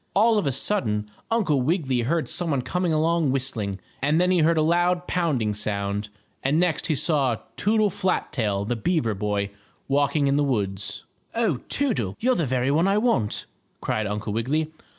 All of a sudden Uncle Wiggily heard some one coming along whistling, and then he heard a loud pounding sound, and next he saw Toodle Flat tail, the beaver boy, walking in the woods. "Oh, Toodle! You're the very one I want!" cried Uncle Wiggily.